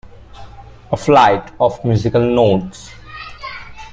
A flight of musical notes.